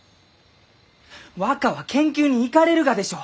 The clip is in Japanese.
若は研究に行かれるがでしょ？